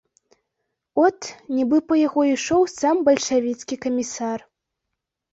От, нібы па яго ішоў сам бальшавіцкі камісар.